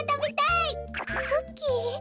クッキー？